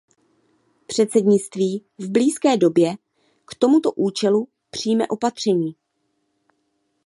Předsednictví v blízké době k tomuto účelu přijme opatření.